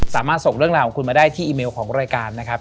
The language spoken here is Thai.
ส่งเรื่องราวของคุณมาได้ที่อีเมลของรายการนะครับ